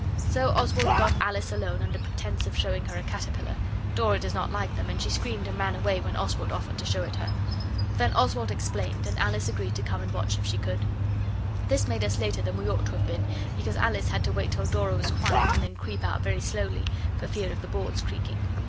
So Oswald got Alice alone under pretence of showing her a caterpillar Dora does not like them, and she screamed and ran away when Oswald offered to show it her. Then Oswald explained, and Alice agreed to come and watch if she could. This made us later than we ought to have been, because Alice had to wait till Dora was quiet and then creep out very slowly, for fear of the boards creaking.